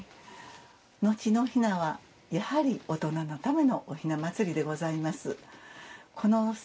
後の雛はやはり大人のためのお雛祭りでございます。